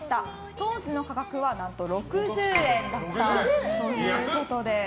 当時の価格は何と６０円だったということです。